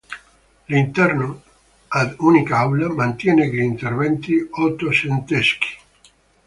L'interno, ad unica aula, mantiene gli interventi ottocenteschi.